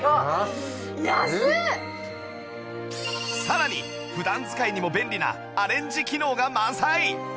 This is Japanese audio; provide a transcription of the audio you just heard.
さらに普段使いにも便利なアレンジ機能が満載！